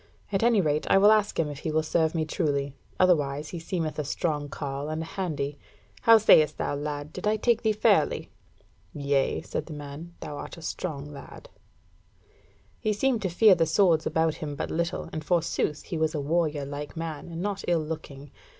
At any rate, I will ask him if he will serve me truly. Otherwise he seemeth a strong carle and a handy. How sayest thou, lad, did I take thee fairly?" "Yea," said the man, "thou art a strong lad." He seemed to fear the swords about him but little, and forsooth he was a warrior like man, and not ill looking.